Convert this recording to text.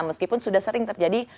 meskipun sudah sering terjadi